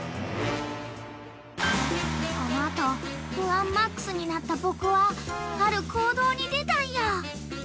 ［この後不安マックスになった僕はある行動に出たんや］